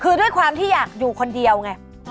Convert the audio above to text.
คือด้วยความที่อยากอยู่คนเดียวไง